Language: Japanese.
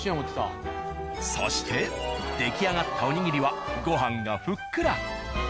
そして出来上がったおにぎりはご飯がふっくら。